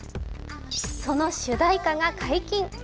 その主題歌が解禁。